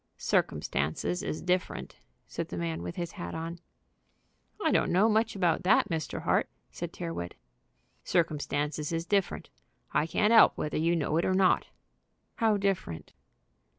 "Circumstances is different," said the man with his hat on. "I don't know much about that, Mr. Hart," said Tyrrwhit. "Circumstances is different. I can't 'elp whether you know it or not." "How different?"